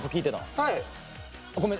はい。